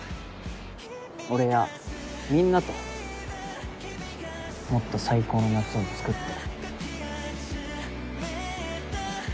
俺やみんなともっと最高の夏をつくって。